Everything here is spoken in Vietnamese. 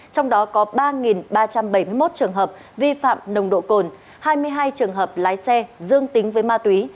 trong đó có ba ba trăm bảy mươi một trường hợp vi phạm nồng độ cồn hai mươi hai trường hợp lái xe dương tính với ma túy